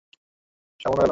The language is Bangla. ওরা ছিল সামান্য গোলাম।